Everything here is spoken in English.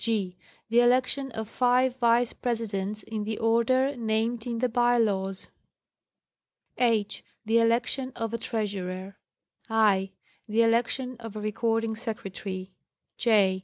g. The election of five Vice Presidents, in the order named in the By Laws. h. The election of a Treasurer. i. The election of a Recording Secretary. j.